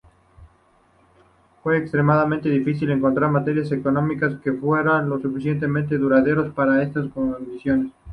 Fue extremadamente difícil encontrar materiales económicos que fueran lo suficientemente duraderos para estas condiciones.